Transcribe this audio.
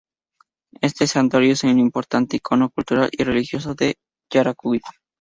Este santuario es un importante icono cultural y religioso de Yaracuy.